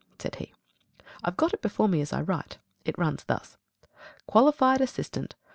said he. I've got it before me as I write. It runs thus: Qualified Assistant.